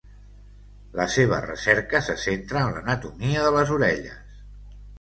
La seva recerca se centra en l'anatomia de les orelles.